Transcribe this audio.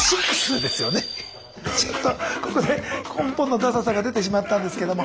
ちょっとここで根本のダサさが出てしまったんですけども。